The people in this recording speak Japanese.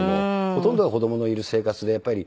ほとんどが子供のいる生活でやっぱり。